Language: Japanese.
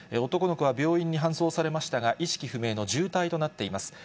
男の子は病院に搬送されましたが、意識不明の重体となっています。